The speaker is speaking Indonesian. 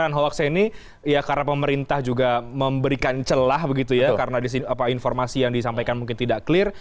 karena hoax ini ya karena pemerintah juga memberikan celah begitu ya karena informasi yang disampaikan mungkin tidak clear